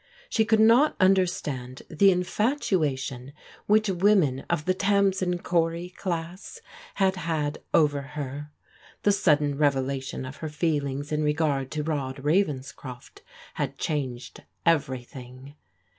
She could not understand the infatua tion which women of the Tamsin Cory class had had over her. The sudden revelation of her feelings in re gard to Rod Ravenscroft had changed everjrthing.